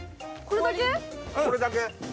これだけ？